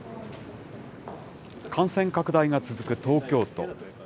感染拡大が続く東京都。